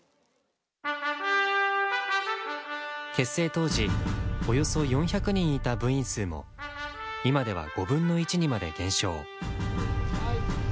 結成当時およそ４００人いた部員数も今では５分の１にまで減少。